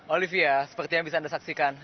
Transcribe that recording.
olivia seperti yang bisa anda saksikan